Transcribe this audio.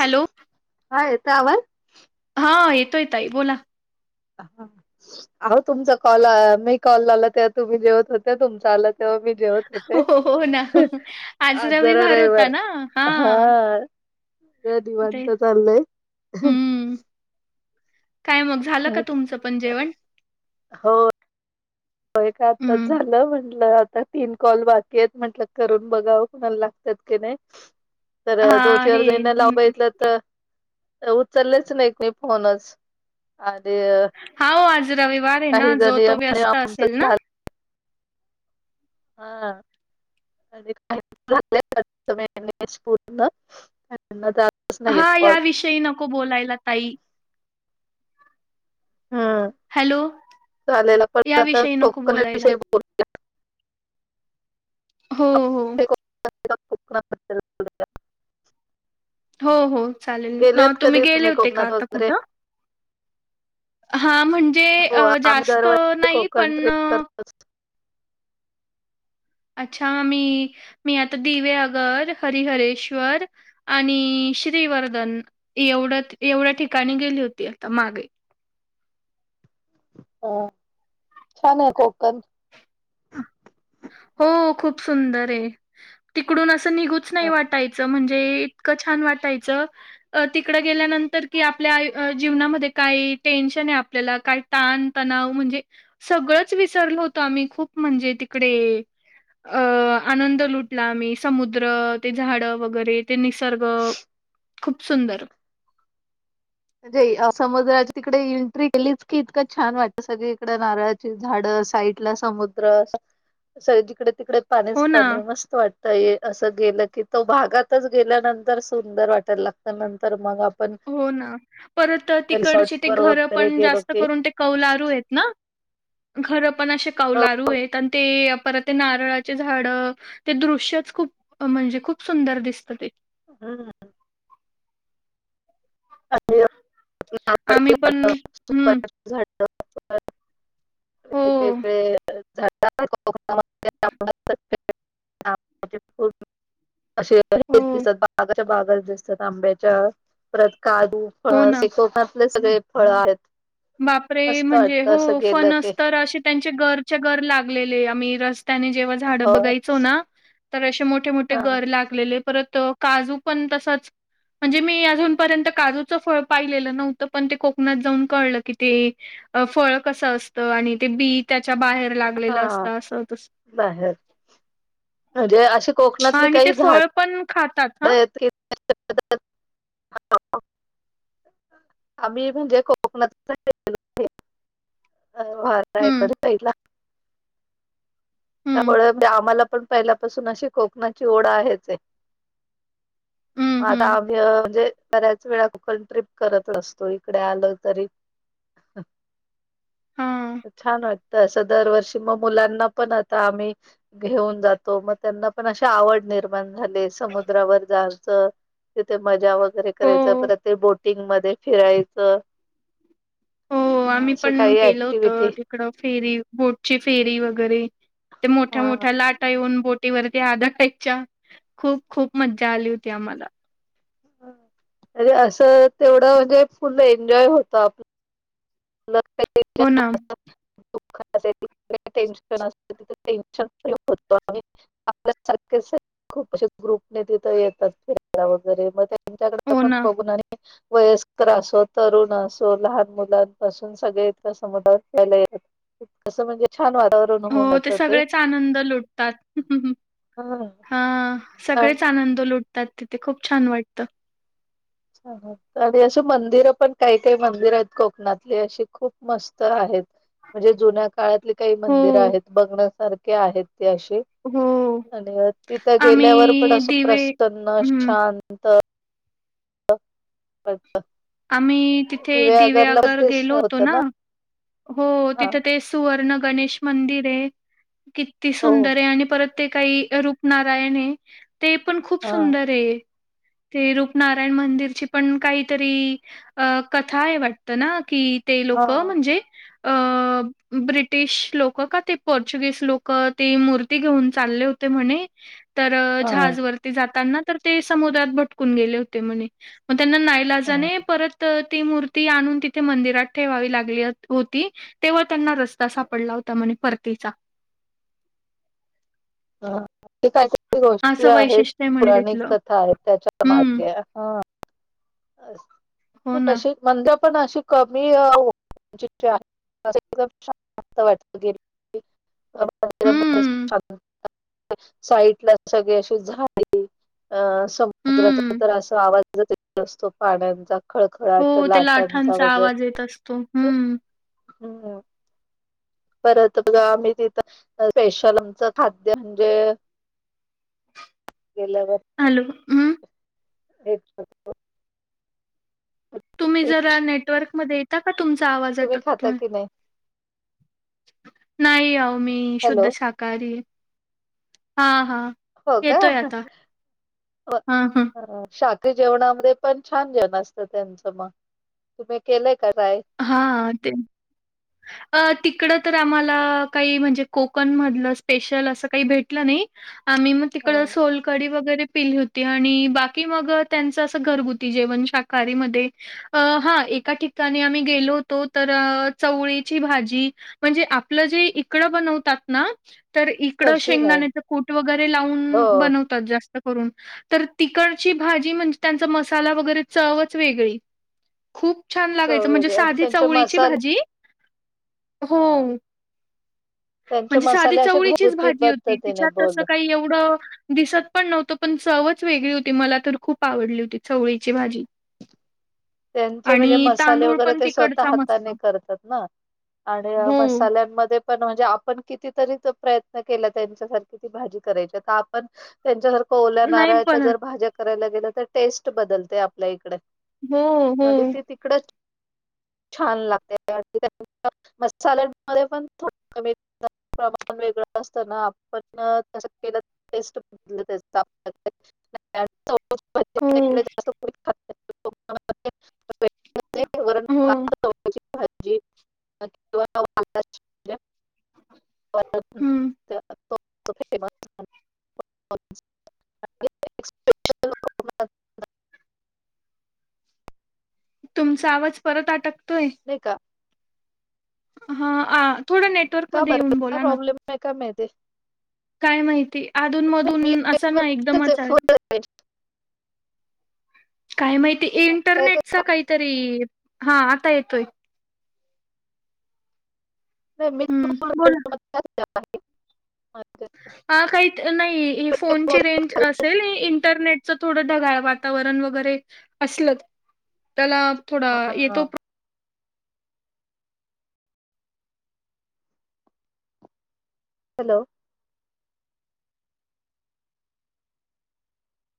Hello. हा येतो आवाज? हा येतोय ताई बोला? [inaudible] अहो तुमचा कॉल अ मी कॉल लावला तेव्हा तुम्ही जेवत होत्या, तुमचा आला तेव्हा मी जेवत हो, होते, हो, हो ना. आज जरा रविवार होता रईवार ना. हा! हां, जरा ते दिवांत चाललंय. हं. काय मग झालं का तुमच पण जेवण? हो हे काय आताच हं. झालं म्हटलं आता तीन कॉल बाकी आहेत म्हटलं, करून बघावं कुणाला लागतात की नाही. तर हां, दोनचार हे जनींना लावून हं. बघितलं तर तं उचललेच नाही कुणी फोनच आणि हाओ आज रविवार हे ना, काही जो जणी तो व्यस्त आमचं असेल ना. झालं [unintelligible] जातच नाहीयेत हा कॉल या विषयी नको बोलायला ताई. हम्म हॅलो चालेल पण या आता विषयी नको कोकणा बोलायला. विषयी बोल हो हो! [unintelligible] हो हो चालेल अ गेलेत तुम्ही कधी गेले होते का कोकणात आता वगैरे कुठं? हा म्हणजे हो अ जास्त नाही पण. अस. अच्छा मी मी आता दिवे आगर, हरिहरेश्वर, आणि श्रीवर्धन एवढ्या एवढ्या ठिकाणी गेली होती. आता मागे. ह. छान आहे कोकण. हो. खूप सुंदर आहे. तिकडून असं निघूच नाही म्हणजे वाटायचं म्हणजे, ते इतकं छान वाटायचं. अ तिकडं गेल्यानंतर की आपल्या आ जीवनामध्ये काही टेन्शन आहे आपल्याला काय, ताण तणाव म्हणजे सगळंच विसरल होत. आम्ही खूप म्हणजे तिकडे, अ आनंद लुटला आम्ही समुद्र, ते झाड वगैरे, ते निसर्ग, खूप सुंदर. म्हणजे समुद्रावर तिकडे एंट्री केलीच की इतकं छान वाटत. सगळी तिकडे नारळाची झाड, साईडला समुद्र, जिकडे तिकडे पाणीच हो ना. पाणी मस्त वाटत. तर ये असं गेलं की, तो भागातच गेल्यानंतर सुंदर वाटायला लागत. नंतर मग आपण, हो ना. परत रिसॉर्ट तिकडचे ते वर घरं वगैरे पण गेलो जास्त की करून ते कौलारू आहेत ना. घर पण असे कौलारू आहेत आणि ते परत ते नारळाचे झाड, ते दृश्यच खूप म्हणजे, खूप सुंदर दिसत ते. हम. हाय. आम्ही पण, हम्म. सुपारीची झाडं परत हो, वेगवेगळे हो. असे हेच हो, दिसात आसत. बागात दिसतात. आंब्याच्या परत कादु, हो फणस, ना. हे कोकणातले सगळे फळ आहेत. बापरे, मस्त म्हणजे वाटतं हो असं गेलं की फणस तर असे त्यांचे गरच्या गर लागलेले. आम्ही रस्त्याने जेव्हा झाड हो बघायचो ना. तर अशे मोठ मोठे मोठे हा गर लागलेले. परत काजू पण तसाच म्हणजे मी अजूनपर्यंत काजूचं फळ पाहिलेलं नव्हतं. पण ते कोकणात जाऊन कळलं. कि ते फळ कस असत. आणि ते बी त्याच्या बाहेर, लागलेलं हा असत असं तस बाहेर म्हणजे अशी हा कोकणातली आणि ते फळ पण खातात हा. हो हो. आम्ही म्हणजे कोकणातन गेलो नाही. तर वार ता हं, इकडं साइडला. हं, त्यामुळे आम्हाला पण पहिल्यापासून अशी कोकणाची ओढ आहेच आहे. हं, मग आता हं. आम्ही म्हणजे, बऱ्याच वेळा कोकण ट्रिप करत असतोय. इकडे आलोय तरी, हां. छान वाटतं असं. दरवर्षी मग मुलांना पण आता आम्ही, घेऊन जातो. मग त्यांना पण अशी आवड निर्माण झाले समुद्रावर जायचं. तिथे मजा वगैरे करायचं. हो, परत ते बोटिंग मध्ये फिरायचं. मग अशी काही अँक्टिव्हिटी. इकडं फेरी, बोटची फेरी वगैरे ते मोठ्या हा. मोठ्या लाटा येऊन बोट बोटीवरती आदळायच्या खूप खूप मज्जा आली होती आम्हाला. अरे असं तेवढं म्हणजे फुल एन्जॉय होतं आपलं. हो ना, [unintelligible] टेन्शन असते. तिथ टेन्शन फ्री होत आणि आपल्या सारख सगळं खूप अशे ग्रुपने तिथ येतात फिरायला वगैरे मग त्यांच्याकडे हो पण ना. बघून आणि वयस्कर असो तरुण असो लहान मुलांन पासून सगळे इथे समुद्रावर खेळायला येतात. अस म्हणजे छान वातावरण होऊन हो जात ते सगळेच हा सगळेच आणि आनंद लुटतात तिथे खूप छान वाटत च ह आणि अशी मंदिर पण काही काही मंदिर आहेत कोकणात अशी खूप मस्त आहेत. म्हणजे जुन्या काळातली काही हो, मंदिर आहेत बघण्यासारखे आहेत ति अशी हो. आणि तिथ गेल्यावर पण आम्ही अस दिवे प्रसन्न हं. शांत आम्ही तिथे दिव्यागरला पण दिव्यागर ते गेलो होतो होत ना हो हा तिथ ते सुवर्ण गणेश मंदिर ये किती हो सुंदर ये आणि परत ते काही रूपनारायण आहे ते पण खूप हा सुंदर ये ते रूपनारायण मंदिरची पण काहीतरी अ कथा आहे वाटत ना की ते हा लोक म्हणजे अ अ ब्रिटिश लोक का ते पोर्चुगीस लोक ती मूर्ती घेऊन चालले होते म्हणे तर हा जहाज वरती जाताना तर ते समुद्रात भटकून गेले होते म्हणे मग त्यांना हा नाईलाजाने परत ती मूर्ती आणून तिथे मंदिरात ठेवावी लागली होती तेव्हा त्यांना रस्ता सापडला होता म्हने परतीचा हा ते काय काही तरी गोष्टी असं आहेत वैशिष्ट्य आहे म्हणे पौराणिक तिथलं. कथा आहेत त्याच्या हम्म. मागे हो ति ना. कशी मंद पण अशी कमीये हो ान [unintelligible] वाटत गे आ हम्म. व [unintelligible] साइटला सगळी अशी झाडी अ समुद्राचा हम्म. तर असा आवाज येत असतो पाण्यांचा हो त्या लाटांचा आवाज येत असतो हम्म हम परत बघा आम्ही तिथ स्पेशल आमच खाद्य म्हणजे? गेल्यावर हॅलो हम्म एक [unintelligible] तुम्ही जरा नेटवर्कमध्ये येता का तुमचा आवाज तुम्ही खाता अटकतोय. की नाही? नाही अहो मी हॅलो. शुद्ध शाकाहारी ये हा हा हो का हां, हां. शॉथ जेवणामध्ये पण छान जेवण असत त्यांच मग तुम्ही केलय का काय? हा ते अ तिकड तर आम्हाला काही म्हणजे कोकण मधल स्पेशल अस काही भेटल नाही. आम्ही मग तिकड हां. सोलकढी वगैरे पिली होती. आणि बाकी मग त्यांच अस घरगुती जेवण शाकाहारीमध्ये अ हा एका ठिकाणी आम्ही गेलो होतो तर चवळीची भाजी म्हणजे आपल जे इकड बनवतात ना तर इकड तशी नाही. शेंगदाण्याच कूट वगैरे लावून हो. बनव तात जास्त करून तर तिकडची भाजी म्हणजे त्यांचा मसाला वगैरे चवच वेगळी खूप छान लागायच चव म्हणजे वेगळी आणि साधी त्यांचे चवळीची मसाले भाजी हो हां. त्यांचे म्हणजे साधी मसाले असे चवळीचीच घरगुती भाजी होती पद्धतीने तिच्यात अस बनवतात. काही एवढं दिसत पण नव्हतं पण चवच वेगळी होती मला तर खूप आवडली होती चवळीची भाजी. त्यांचे म्हणजे आणि मसाले तांदूळ वगैरे पण ते स्वतः तिकडचा मस्त हाताने करतात ना आणि हो मसा त्यान मध्ये पण म्हणजे आपण किती तरी प्रयत्न केला त्यांच्या सारखी ती भाजी करायची आता आपण त्यांच्यासारखं ओल्या नाही नारळाच्या बनत. जर भाज्या करायला गेल्या तर टेस्ट बदलते आपल्या इकडे. हो हो मग ते तिकडंच छान लागते [unintelligible] मसाल्यान मध्ये पण थोड कमी प्रमाण वेगळं असता ना आपण त्यायात केलं टेस्ट बदलत हो [unintelligible] वेगळं होतंय वरन हो भात भाजी किंवा [unintelligible] हम्म [unintelligible] स्पेशल तुमचा आवाज परत अटकतोय. नाही का? हा अ का बर का प्रॉब्लम हाय काय माहिती. काय माहिती अधून मी मधून असं ना एकदमच आहे. फुल रेंज काय माहिती आता येते इंटरनेटचा काही तरी हा आता येतोय. [unintelligible] हम्म बोला. [unintelligible] ह काही नाही हे फोनची मोदक रेंज खाल्ले. असेल इंटरनेटचं थोडं ढगाळ वाट वातावरण वगैरे असल त्याला थोडा हा. येतो प्रो हॅलो.